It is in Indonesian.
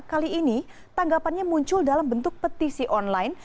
kali ini tanggapannya muncul dalam bentuk petisi online